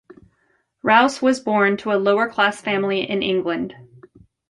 Rowse was born to a lower-class family in England.